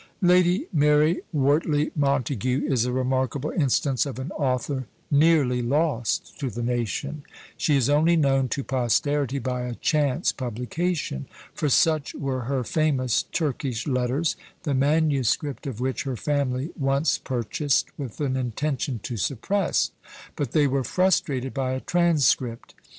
Lady Mary Wortley Montague is a remarkable instance of an author nearly lost to the nation; she is only known to posterity by a chance publication; for such were her famous Turkish letters, the manuscript of which her family once purchased with an intention to suppress, but they were frustrated by a transcript.